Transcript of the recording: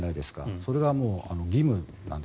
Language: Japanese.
それが義務なんです。